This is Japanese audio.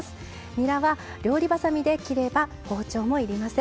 にらは料理ばさみで切れば包丁も要りません。